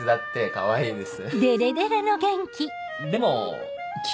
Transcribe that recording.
かわいいです。